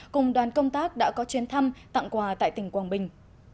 cùng đoàn công tác đã có chuyến thăm tặng quà tại tỉnh quảng bình